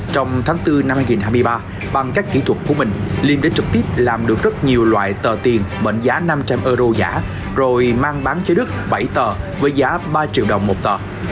trong tháng bốn năm hai nghìn hai mươi ba bằng các kỹ thuật của mình liêm đã trực tiếp làm được rất nhiều loại tờ tiền mệnh giá năm trăm linh euro giả rồi mang bán cho đức bảy tờ với giá ba triệu đồng một tờ